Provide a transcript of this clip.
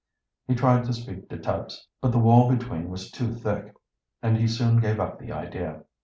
He tried to speak to Tubbs, but the wall between was too thick, and he soon gave up the idea.